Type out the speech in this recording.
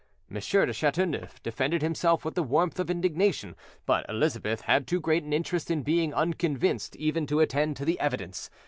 M. de Chateauneuf defended himself with the warmth of indignation, but Elizabeth had too great an interest in being unconvinced even to attend to the evidence.